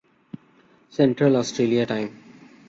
central Australia time